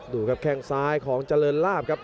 ดูครับแข้งซ้ายของเจริญลาบครับ